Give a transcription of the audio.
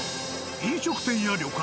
飲食店や旅館